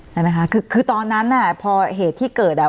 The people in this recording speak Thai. ใช่ไหมคะคือคือตอนนั้นน่ะพอเหตุที่เกิดอ่ะ